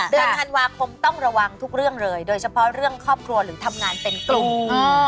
เดือนธันวาคมต้องระวังทุกเรื่องเลยโดยเฉพาะเรื่องครอบครัวหรือทำงานเป็นกลุ่ม